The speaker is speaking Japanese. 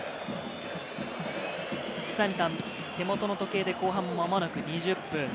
手元の時計で後半、間もなく２０分。